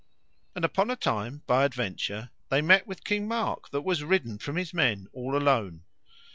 And upon a time, by adventure, they met with King Mark that was ridden from his men all alone.